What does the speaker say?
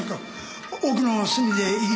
奥の隅でいい。